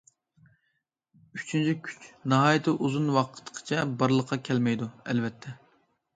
ئۈچىنچى كۈچ ناھايىتى ئۇزۇن ۋاقىتقىچە بارلىققا كەلمەيدۇ، ئەلۋەتتە.